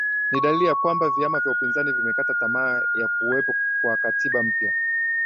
ni dalili ya kwamba viama vya upinzani vimekata tamaa ya kuwepo kwa katiba mpya